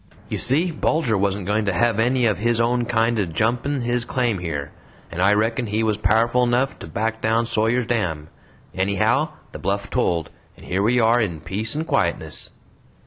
You see, Bulger wasn't going to hev any of his own kind jumpin' his claim here. And I reckon he was pow'ful enough to back down Sawyer's Dam. Anyhow, the bluff told and here we are in peace and quietness."